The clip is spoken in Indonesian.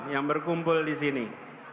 yang berkumpul disini